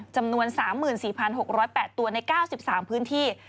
จำนวน๓๔๖๐๘ตัวใน๙๓พื้นที่